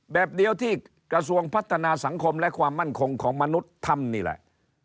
แบบเดียวที่กระทรวงพัฒนาสังคมและความมั่นคงของมนุษย์ทำนี่แหละ